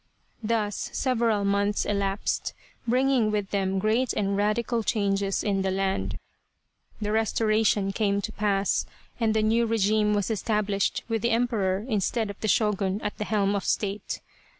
Thus several months elapsed, bringing with them great and radical changes in the land. The Restora tion came to pass, and the new regime was established with the Emperor instead of the Shogun at the helm of State.